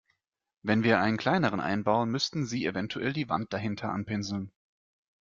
Wenn wir einen kleineren einbauen, müssten Sie eventuell die Wand dahinter anpinseln.